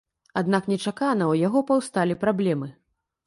Аднак нечакана ў яго паўсталі праблемы.